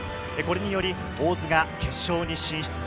これにより大津が決勝に進出。